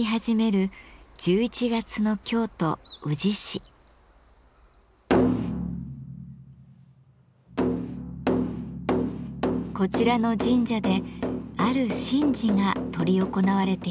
こちらの神社である神事が執り行われていました。